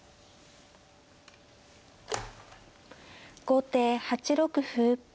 後手８六歩。